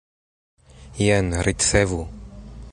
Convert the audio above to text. Jen, ricevu!